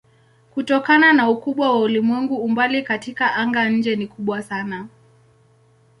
Kutokana na ukubwa wa ulimwengu umbali katika anga-nje ni kubwa sana.